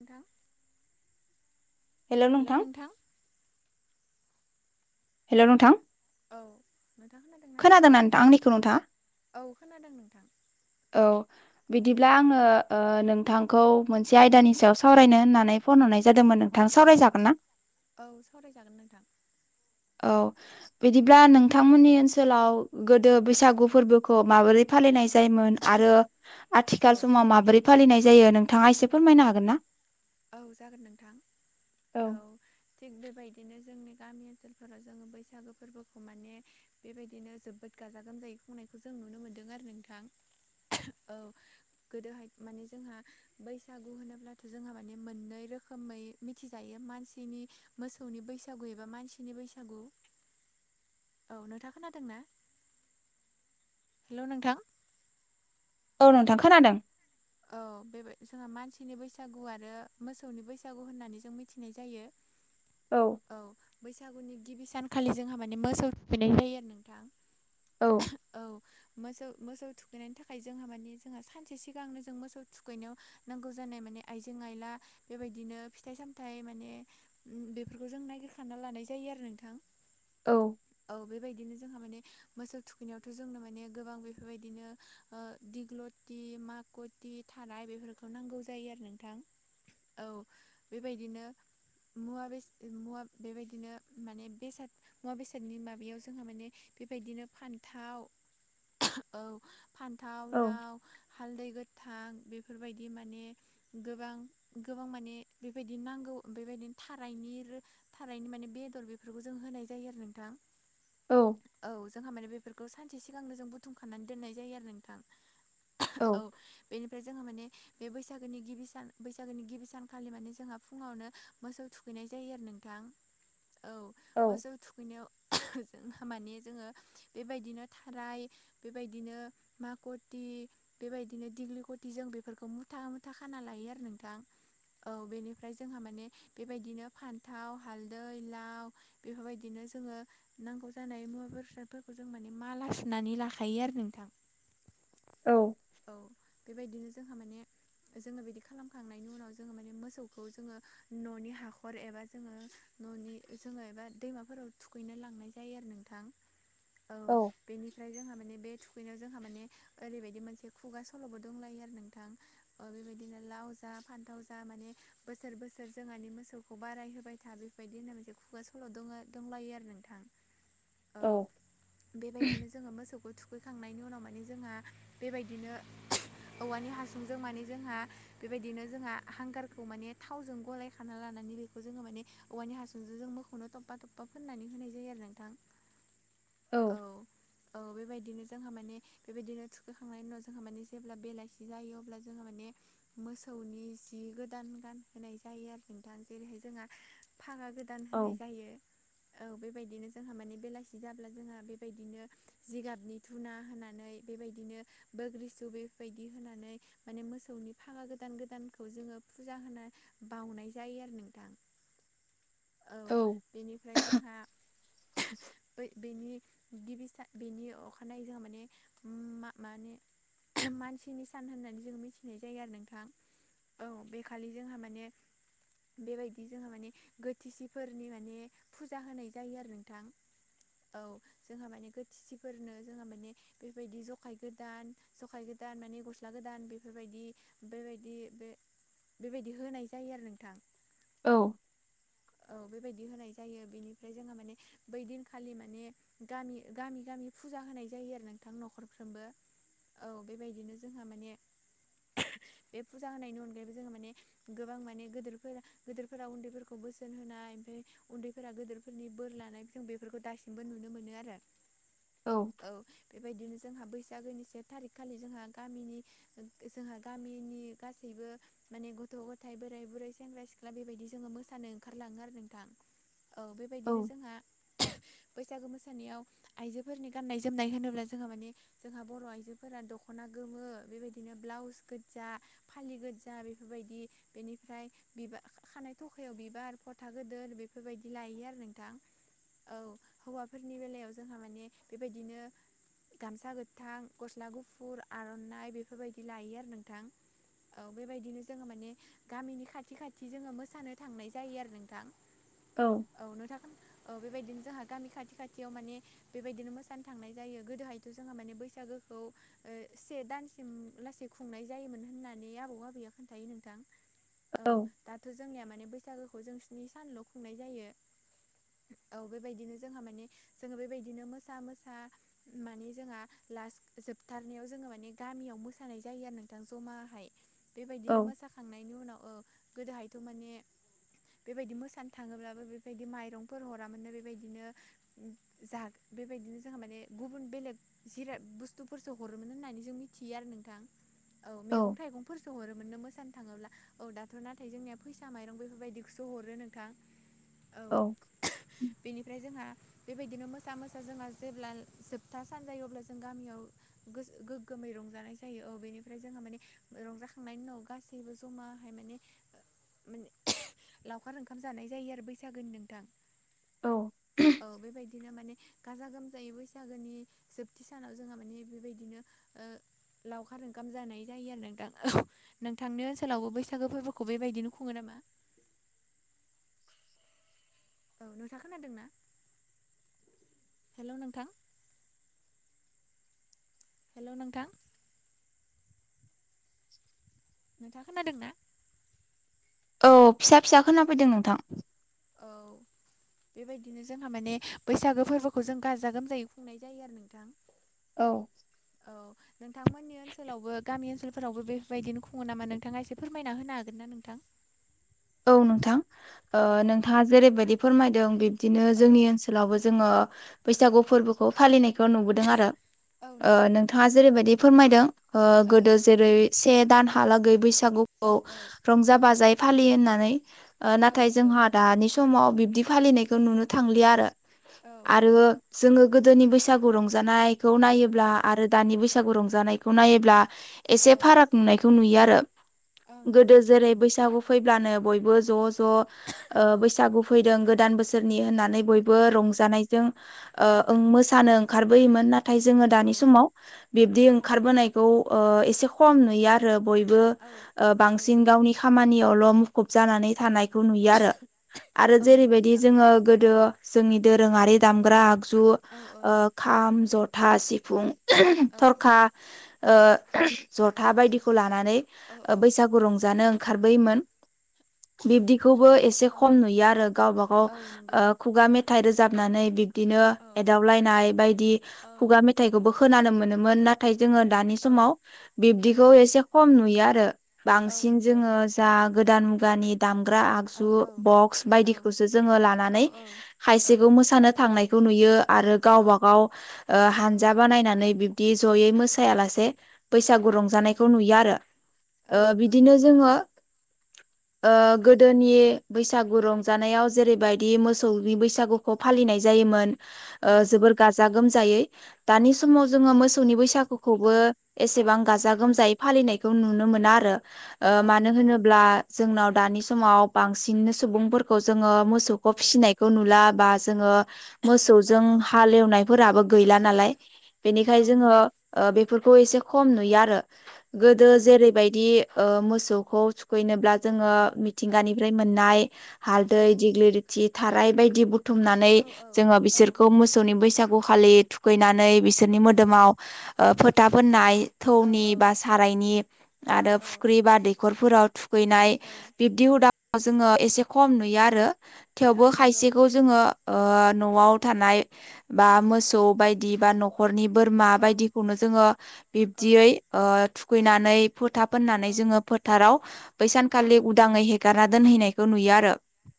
नोंथां हेल' नोंथां हेल' नोंथां औ नोंथां खोनादों ना? खोनादों नोंथां आंनिखौ नोंथां औ खोनादों नोंथां औ औ बिदिब्ला आङो नोंथांखौ मोनसे औ आयदानि सायाव सावरायनो होननानै फन हरनाय जादोंमोन नोंथां औ सावरायजागोन ना औ सावरायजागोन नोंथां औ बिदिब्ला नोंथांमोननि ओनसोलाव गोदो औ बैसागु फोरबो माबोरै फालिनाय जायोमोन आरो औ आथिखाल समाव माबोरै फालिनाय जायो नोंथाङा एसे फोरमायनो हागोन ना औ जागोन नोंथां औ थिग बेबायदिनो जोंनि गामि ओनसोलफोराव जोङो बैसागो फोरबोखौ माने बेबायदिनो जोबोद गाजा गोमजायै खंनायखौ जों नुनो मोन्दों आरो नोंथां औ गोदोहाय माने जोंहा बैसागु होनोब्लाथ' जोंहा माने मोननै रोखोमै मिथिजायो मानसिनि मोसौनि बैसागु एबा मानसिनि बैसागु औ नोंथाङ खोनादों ना हेल' नोंथां औ नोंथां खोनादों औ बेबाय जोंहा मानसिनि बैसागु आरो मोसौनि बैसागु होननानै जों मिथिनाय जायो औ औ बैसागुनि गिबि सानखालि जोंहा माने मोसौ थुैखैनाय जायो आरो नोंथां औ औ मोसौ मोसौ थुखैनायनि थाखाय जोंहा मानिे जोंहा सानसे सिगांनो जों मोसौ थुखैनायाव नांगौ जानाय माने आइजें आइला बेबायदिनो फिथाइ सामथाइ माने बेफोरखौ जों नायगिरखाना लानाय जायो आरो नोंथां औ औ बेबायदिनो जोंहा माने मोसौ थुखैनायावथ' जोंनो माने गोबां बेफोरबायदिनो ओ दिग्लिति मकति थाराय बेफोरखौ नांगौ जायो आरो नोंथां औ बेबायदिनो मुवा बेसाद मुवा बेबायदिनो माने बेसाद मुवा बेसादनि माबायाव जोङो माने बेबायदिनो फान्थाव औ फान्थाव औ लाव हालदै गोथां बेफोरबायदि माने गोबां गोबां माने बेबायदि नांगौ बेबायदिनो थारायनि थारायनि माने बेदर बेफोरखौ जों होनाय जायो आरो नोंथां औ औ जोंहा माने बेफोरखौ सानसे सिगांनो जों बुथुमखानानै दोननाय जायो आरो नोंथां औ बेनिफ्राय जोंहा माने बे बैसागोनि गिबि सान बैसागोनि गिबि सानखालि माने जोंहा फुङावनो मोसौ थुखैनाय जायो आरो नोंथां [inaudible] औ मोसौ थुखैनायाव जोंहा माने जोङो बेबायदिनो थाराय बेबायदिनो मकथि बेबायदिनो दिग्लि गटि जों बेफोरखौ मुथा मुथा खाना लायो आरो नोंथां औ बेनिफ्राय जोंहा माने बेबायदिनो फान्थाव हालदै लाव बेफोरबायदिनो जोङो नांगौ जानाय मुवा बेसादफोरखौ जों माने माला सुनानै लाखायो आरो नोंथां औ औ बेबायदिनो जोंहा माने जोङो बिदि खालामखांनायनि उनाव जोङो माने मोसौखौ जोङो न'नि हाखर एबा जोङो न'नि जोङो एबा दैमाफोराव थुखैनो लांनाय जायो आरो नोंथां [inaudible] औ बेनिफ्राय जोंहा माने बे थुखैनायाव जोंहा माने ओरैबायदि मोनसे खुगा सल'बो दंलायो आरो नोंथां बेबायदिनो लाव जा फान्थाव जा माने बोसोर बोसोर जोंहानि मोसौखौ बाराय होबाय था बेफोरबायदि होनना मोनसे खुगा सल' दं दंलायो आरो नोंथां [inaudible] बेबायदिनो जोङो मोसौखौ थुखैखांनायनि उनाव मानिे जोंहा बेबाय बिदिनो औवानि हासुंजों माने जोंहा बेबायदिनो जोंहा हांगारखौ माने थावजों गलाय खाना लानानै बेखौ बेखौ जोङो माने औवानि हासुजों जों मोखौनो थब्बा थब्बा फोननानै होनाय जायो आरो नोंथां [inaudible] औ औ बेबायदिनो जोंहा माने बेबायदिनो थुखैखांनायनि उनाव जोंहा माने जेब्ला बेलासि जायो अब्ला जोंहा माने मोसौनि जि गोदान गान होनाय जायो आरो नोंथां जेरैहाय जोंहा फागा गोदान गोदान होनाय जायो औ बेबायदिनो जोंहा माने बेलासि जाब्ला जोंहा बेबायदिनो जिगाबनि धुना होनानै बेबायदिनो बोग्रिसु बेबायदि होनानै माने मोसौनि भागा गोदान गोदानखौ जोङो फुजा होना बावनाय जायो आरो नोंथां [inaudible] औ बेनिफ्राय जोंहा बै बेनि गिबि सा बेनि अखानायै जोंहा माने मा माने मानसिनि सान होननानै जों मिथिनाय जायो आरो नोंथां औ बे खालि जोंहा माने बेबायदि जोंहा माने गोथिसिफोरनि माने फुजा होनाय जायो आरो नोंथां औ जोंहा माने गोथिसिफोरनो जोंहा माने बेबायदि जखाय गोदान जखाय गोदान माने गस्ला गोदान बेफोरबायदि बेबायदि बे बेबायदि होनाय जायो आरो नोंथां औ औ बेबायदि होनाय जायो बेनिफ्राय जोंहा माने बै दिनखालि माने गामि गामि गामि फुजा होनाय जायो आरो नोंथां न'खरफ्रोमबो औ बेबायदिनो जोंहा माने बे फुजा होनायनि अनगायैबो जोंहा माने गोबां माने गोदोरफोरा गोदोरफोरा उन्दैफोरखौ बोसोन होनाय ओमफाय उन्दैफोरा गोदोरफोरनि बोर लानाय जों बेफोरखौ दासिमबो नुनो मोनो आरो। औ औ बेबायदिनो जोंहा बैसागोनि से थारिख खालि जोंहा गामिनि जोंहा गामिनि गासैबो माने गथ' गथाय बोराय बुरै सेंग्रा सिख्ला बेबायदि जोङो मोसानो ओंखारलाङो आरो नोंथां। औ औ बेबायदिनो जोंहा बैसागु मोसानायाव आइजोफोरनि गाननाय जोमनाय होनोब्ला जोंहा माने जोंहा बर' आइजो फोरा दख'ना गोमो बेबायदिनो ब्लाउस गोजा फालि गोजा बेफोरबायदि बेनिफ्राय बिबार खानाय थखायाव बिबार फोथा गोदोर बेफोरबायदि लायो आरो नोंथां। औ हौवाफोरनि बेलायाव जोंहा माने बेबायदिनो गामसा गोथां गस्ला गुफुर आर'नाइ बेफोरबायदि लायो आरो नोंथां औ बेबायदिनो जोङो माने गामिनि खाथि खाथि जोङो मोसानो थांनाय जायो आरो नोंथां। औ औ नोंथांङख खोना औ बेबायदिनो जोंहा गामि खाथि खाथियाव माने बेबायदिनो मोसानो थांनाय जायो गोदोहायथ' जोंहा माने बैसागो खौ से दानसिम लासै खुंनाय जायोमोन होननानै आबौ आबैया खोन्थायो नोंथां। [inaudible] औ दाथ' जोंनिया माने बैसागोखौ जों स्नि सानल' खुंनाय जायो। औ बेबायदिनो जोंहा माने जोङो बेबायदिनो मोसा मोसा माने जोंहा लास्ट जोबथारनायाव जोङो माने गामियाव मोसानाय जायो आरो नोंथां जमाहाय बेबायदिनो औ मोसा खांनायनि उनाव औ गोदोहायथ' माने बेबायदि मोसानो थाङोब्लाबो बेबायदि माइरंफोर हरामोननो बेबायदिनो जा बेबायदिनो जोंहा माने गुबुन बेलेग जिराब बुस्थुफोरसो हरोमोन होननानै जों मिथियो आरो नोंथां औ मैगं थाइगं फोरसो हरोमोन नों मोसानो थाङोब्ला। औ दाथ' नाथाय जोंनिया फैसा माइरं बेफोरबायदिखौसो हरो नोंथां औ। बेनिफ्राय जोंहा बेबायदिनो मोसा मोसा जोंहा जेब्ला जोबथा सान जायो अब्ला जों जों गामियाव गो गोग्गोमै रंजानाय जायो औ बेनिफ्राय जोंहा माने रंजाखांनायनि उनाव गासैबो जमा हाय माने मे लावखार ओंखाम जानाय जायो आरो बैसागोनि नोंथां। औ औ बेबायदिनो माने गाजा गोमजायै बैसागोनि जोब थि सानाव जोंहा माने बेबायदिनो ओ लावखार ओंखाम जानाय जायो आरो नोंथां औ। नोंथांनि ओनसोलावबो बैसागो फोरबोखौ बेबायदिनो खुङो नामा? औ नोंथां खोनादों ना? हेल' नोंथां हेल' नोंथां [inaudible] नोंथाङा खोनादों ना? औ फिसा फिसा खोना फैदों नोंथां। औ बेबायदिनो जोंहा माने बैसागो फोरबोखौ जों गाजा गोमजायै खुंनाय जायो आरो नोंथां। औ औ नोंथांमोननि ओनसोलावबो गामि ओनसोलफोरावबो बेफोरबायदिनो खुङो नामा नोंथाङा एसे फोरमायना होनो हागोन ना नोंथां। औ नोंथां नोंथाङा जेरैबायदि फोरमायदों बिब्दिनो औ जोंनि ओनसो लावबो जोङो बैसागु फोरबोखौ फालिनायखौ नुबोदों आरो औ नंगौ नोंथां नोंथाङा जेरैबायदि फोरमायदों औ गोदो जेरै से दानहालागै औ बैसागुखौ औ रंजा बाजायै फालियो होननानै औ नाथाय नंगौ जोंहा दानि समाव बिब्दि फालिनायखौ नुनो थांलिया आरो औ आरो जोङो गोदोनि बैसागु रंजानायखौ नायोब्ला आरो दानि बैसागु रंजानायखौ नायोब्ला औ एसे फाराग नुनायखौ नुयो आरो गोदो नंगौ नोंथां जेरै बैसागु फैब्लानो बयबो ज' ज' औ ओ औ बैसागु फैदों गोदान बोसोरनि होननानै बयबो औ औ रंजानायजों ओ औ ओं मोसानो ओंखारबोयोमोन नाथाय जोङो दानि समाव बिब्दि ओंखारबोनायखौ ओ एसे खम नुयो आरो बयबो ओ बांसिन नंगौ गावनि खामानियावल' मु खुब जानानै थानायखौ नुयो आरो आरो औ नंगौ जेरैबायदि नोंथां जोङो गोदो जोंनि दोरोङारि दामग्रा आगजु औ औ ओ खाम जथा सिफुं औ थरखा ओ जथा बायदिखौ लानानै औ ओ बैसागु रंजानो ओंखारबोयोमोन बिब्दिखौबो एसे खम औ नुयो आरो गावबा गाव औ नंगौ ओ खुगा मेथाइ रोजाबनानै बि बिदिनो औ एदावलायनाय बायदि औ खुगा मेथाइखौबो खोनानो मोनोमोन ना थाय जोङो दानि औ समाव औ बिब्दिखौ एसे खम नुयो आरो औ बांसिन नंगौ जोङो दा गोदान मुगानि दामग्रा आगजु औ औ बक्स औ बायदिखौसो जोङो लानानै औ खायसेखौ मोसानो थांनाय खौ नुयो आरो औ गावबा गाव औ हानजा बानायनानै दि जयै मोसायालासे बैसागु औ रंजानायखौ नुयो आरो ओ औ नंगौ बिदिनो जोङो ओ औ गोदोनि बैसागु रंजानायाव जेरैबायदि मोसौनि बैसागुखौ फालिनाय जायोमोन औ ओ जोबोर गाजा गोमजायै दानि समाव जोङो मोसौनि बैसागु औ खौबो एसेबां गाजा औ गोमजायै फालिनायखौ नुनो मोना आरो ओ औ मानो नंगौ होनो ब्ला जोंनाव दानि समाव बांसिन सुबुंफोरखौ जोङो औ मोसौखौ फिसिनाय खौ नुला बा जोङो औ मोसौजों हालेवनायफोराबो गैला नालाय औ बेनिखाय जोङो नंगौ ओ बेफोरखौ एसे खम नुयो आरो गोदो औ जेरै नंगौ बायदि ओ मोसौखौ खैनोब्ला जोङो औ मिथिंगानिफ्राय मोननाय औ हालदै दिग्लिथि थाराय बायदि बु थुमनानै औ जोङो बिसोरखौ मोसौनि बैसागु खालि थुखैनानै बिसो सोरनि मोदोमाव ओ फोथा फोननाय औ थौनि बा सारायनि आरो फुख्रि बा दैखरफोराव थुखैनाय बिब दि हुदाखौ जोङो एसे खम नुयो आरो थेवबो नंगौ खायसेखौ जोङो ओ न'आव थानाय बा मोसौ बायदि बा न' खरनि बोरमा औ बायदिखौनो जोङो बिब्दियै थुखैनानै फोथा फोननानै जोङो फोथाराव बै सानखालि नंगौ उदाङै हेगारना दोनहैनायखौ नुयो आरो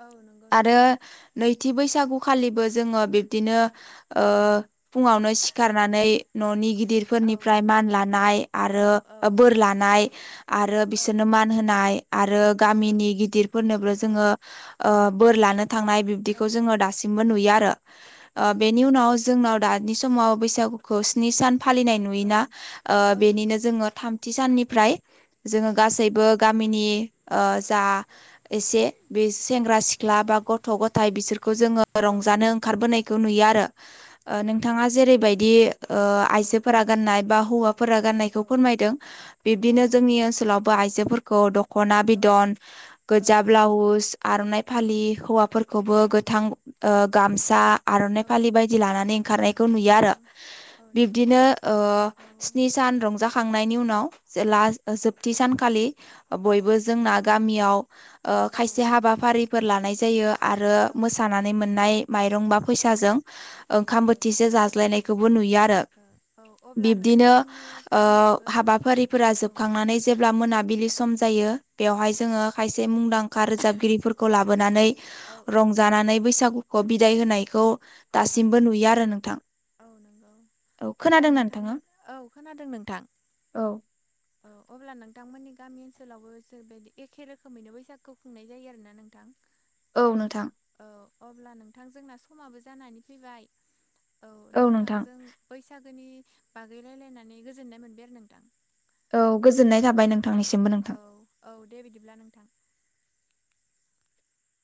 औ नंगौ आरो नोंथां नैथि बैसागुखालिबो जोङो बिब्दिनो ओ फुङावनो सिखारनानै न'नि गिदिर औ फोरनिफ्राय मान लानाय औ आरो बोर लानाय आरो औ बिसोरनो मा होनाय आरो गामिनि गिदिरफोरनोबो जोङो ओ बोर लानो थांनाय औ दिखौ जोङो दासिमबो नुयो आरो ओ बेनि नंगौ उनाव जोंनाव दानि समाव बैसागुखौ स्नि सान फालिनाय औ नुयोना ओ औ बेनिनो नंगौ जोङो थाम थि साननिफ्राय जोङो गासैबो गामिनि ओ जा एसे बे सेंग्रा सिख्ला बा गथ' गथाय बिसोरखौ जोङो औ रंजानो ओंखारबोनायखौ नुयो आरो ओ औ नंगौ नोंथाङा जेरैबायदि ओ औ आइजोफोरा गाननाय बा हौवा फोरा औ औ गाननायखौ फोरमायदों बिब्दिनो जोंनि ओनसोलावबो आइजोफोरखौ द ख'ना औ बिदन गोजा ब्लाउस आर'नाइ फालि हौवाफोर खौबो गोथां ओ गामसा औ आर'नाइ फालि बायदि लानानै ओंखारनाय खौ नुयो औ आरो औ नंगौ बिब्दिनो ओ औ स्नि सान रंजाखांनायनि उनाव औ जे ला जोबथि सानखालि बयबो जोंना गामियाव ओ खायसे हाबाफारिफोर लानाय जायो आरो मोसानानै मोननाय माइरं बा औ फैसाजों ओंखाम औ बोथिसे जाज्लायनायखौबो नुयो आरो अब्ला बिब्दिनो नोंथांमोननि ओ गामियावबो हाबाफारिफोरा औ जोबखांनानै जेब्ला मोनाबिलि सम जायो बेवहाय जोङो खायसे मुंदां खा रोजाबगिरिफोरखौ लाबोनानै औ औ रंजानानै बैसागुखौ बिदाय होनायखौ औ दासिमबो नुयो आरो नोंथां औ नंगौ औ अब्ला खोनादोंना नोंथाङा? नोंथांमोन औ खोनादों नोंथां औ अब्ला नोंथांमोननि गामि ओनसोलावबो बिबायदि एखे रोखोमैनो बैसागु खुंनाय जायो आरो ना नोंथां औ नोंथां औ अब्ला नोंथां जोंना समाबो जानानै फैबाय औ नोंथांजों बैसागोनि बागै रायलायनानै गोजोननाय मोनबाय आरो नोंथां औ गोजोननाय थाबाय नों औ औ दे बिदिब्ला नोंथां